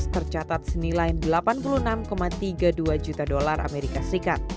tercatat senilai delapan puluh enam tiga puluh dua juta dolar as